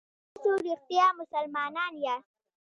که تاسو رښتیا مسلمانان یاست.